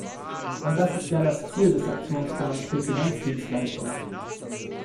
Und das ist ja das Ziel des Aktionsplans für Finanzdienstleistungen.